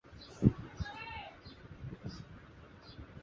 প্রত্যেকটি দল একে-অপরের বিরুদ্ধে নিজ মাঠ ও অন্যের মাঠে খেলবে।